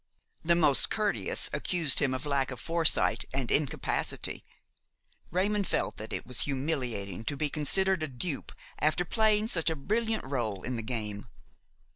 The most courteous accused him of lack of foresight and incapacity. Raymon felt that it was humiliating to be considered a dupe after playing such a brilliant rôle in the game.